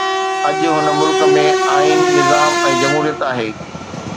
اڄ هن ملڪ ۾ آئين، نظام ۽ جمهوريت آهي.